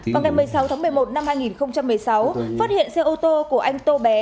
vào ngày một mươi sáu tháng một mươi một năm hai nghìn một mươi sáu phát hiện xe ô tô của anh tô bé